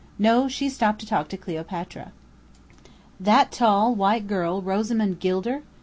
No, she's stopped to talk to Cleopatra." "That tall, white girl Rosamond Gilder!